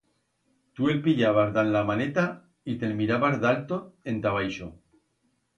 Tu el pillabas dan la maneta y te'l mirabas d'alto enta baixo.